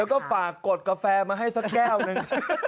แล้วก็ฝากกดกาแฟมาให้สักแก้วหนึ่ง